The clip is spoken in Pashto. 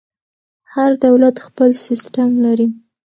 هر دولت خپل سیسټم لري.